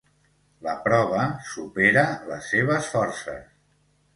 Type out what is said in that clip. La prova supera les seves forces.